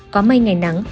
có mây ngày nắng